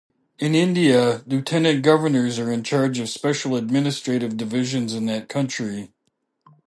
In India, lieutenant governors are in charge of special administrative divisions in that country.